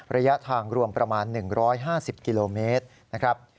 ระยะทางรวมประมาณ๑๕๐กิโลเมตรนะครับ